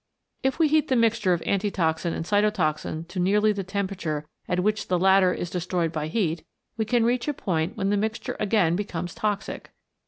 If we heat the mixture of antitoxin and cytotoxin to nearly the temperature at which the latter is destroyed by heat, we can reach a point where the mixture again becomes toxic.